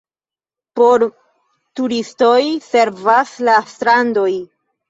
Por turistoj servas la strandoj.